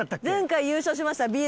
前回優勝しました